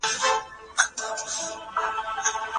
ملي سرود جوړ شو.